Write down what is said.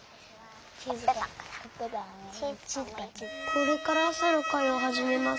これからあさのかいをはじめます。